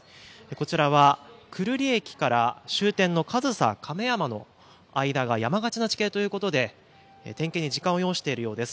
こちらは久留里駅から終点の上総亀山の間が山がちの地形ということで点検に時間を要しているようです。